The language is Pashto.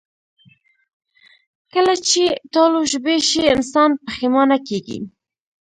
کله چې تالو ژبې شي، انسان پښېمانه کېږي